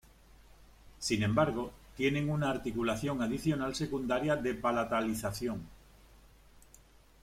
Sin embargo, tienen una articulación adicional secundaria de palatalización.